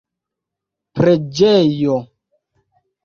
preĝejo